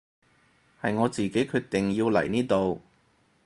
係我自己決定要嚟呢度